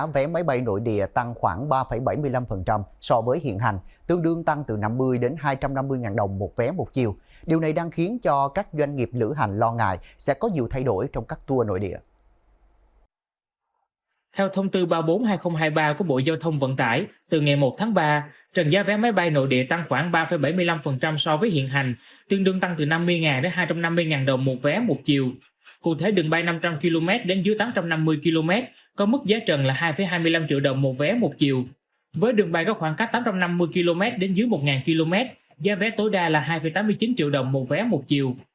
với đường bay có khoảng cách tám trăm năm mươi km đến dưới một km giá vé tối đa là hai tám mươi chín triệu đồng một vé một chiều